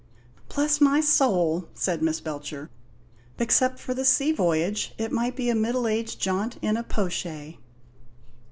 "Bless my soul!" said Miss Belcher. "Except for the sea voyage, it might be a middle aged jaunt in a po' shay!"